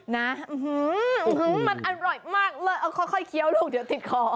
นะมันอร่อยมากเลยเอาค่อยเคี้ยวลูกเดี๋ยวติดคอ